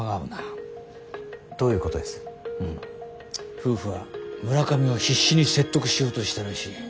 夫婦は村上を必死に説得しようとしたらしい。